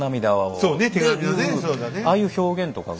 ああいう表現とかが。